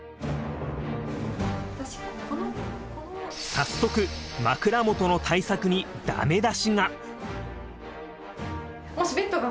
早速枕元の対策にダメ出しが。